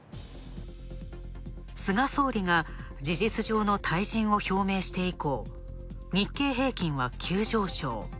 菅総理が事実上の退陣を表明して以降日経平均は急上昇。